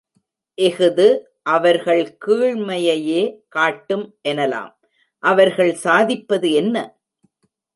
இஃது அவர்கள் கீழ்மையையே காட்டும் எனலாம். அவர்கள் சாதிப்பது என்ன?